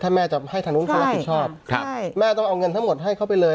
ถ้าแม่จะให้ทางนู้นเขารับผิดชอบแม่ต้องเอาเงินทั้งหมดให้เขาไปเลย